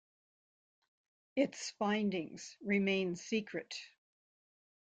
Its findings remain secret.